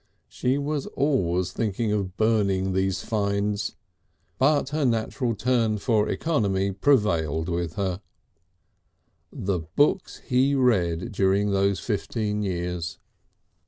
She was always thinking of burning these finds, but her natural turn for economy prevailed with her. The books he read during those fifteen years!